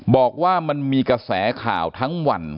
บอกว่ามันมีกระแสข่าวทั้งวัน